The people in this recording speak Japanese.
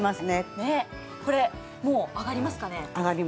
これ、もう揚がりますかね？